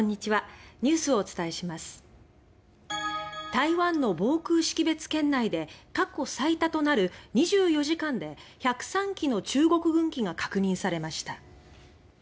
台湾の防空識別圏内で過去最多となる２４時間で１０３機の中国軍機が確認されました。